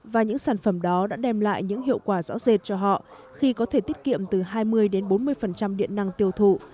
và những sản phẩm đó đã đem lại những hiệu quả rõ rệt cho họ khi có thể tiết kiệm từ hai mươi đến bốn mươi điện năng tiêu thụ